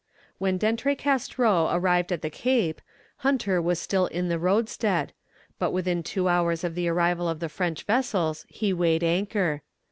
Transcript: When D'Entrecasteaux arrived at the Cape, Hunter was still in the roadstead; but within two hours of the arrival of the French vessels he weighed anchor.